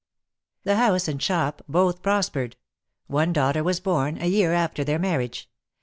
The house and shop both prospered. One daughter was born, a year after their marriage.